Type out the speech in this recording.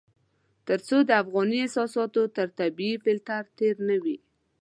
تر څو د افغاني اساساتو تر طبيعي فلټر تېر نه وي.